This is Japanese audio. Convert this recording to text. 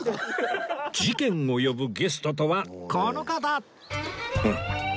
事件を呼ぶゲストとはこの方！